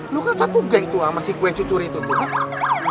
lu kan satu geng tuh sama si kue cucur itu tuh gimana